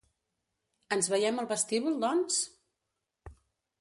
Ens veiem al vestíbul, doncs?